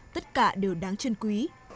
tất cả đều đáng chân quý